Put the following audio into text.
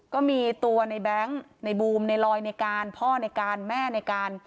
ก็มีตัวในแบงค์ในบูมในลอยในการพ่อในการแม่ในการ